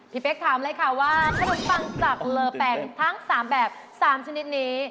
เป๊กถามเลยค่ะว่าสมุนปังจากเลอแปงทั้ง๓แบบ๓ชนิดนี้